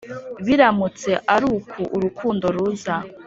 biramutse aruku urukundo ruza